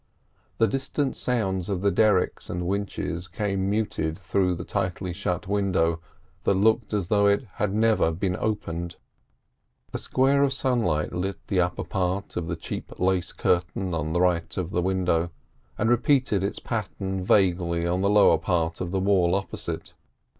The distant sounds of the derricks and winches came muffled through the tightly shut window that looked as though it never had been opened. A square of sunlight lit the upper part of the cheap lace curtain on the right of the window, and repeated its pattern vaguely on the lower part of the wall opposite.